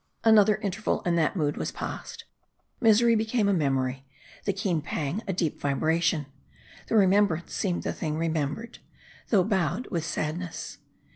Another interval, and that mood was past. Misery became 230 M A R D I. a memory. The keen pang a deep vibration. The remembrance seemed the thing remembered ; though bowed with sadness.